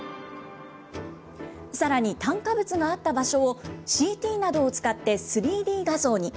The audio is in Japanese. さらに、炭化物があった場所を、ＣＴなどを使って３Ｄ画像に。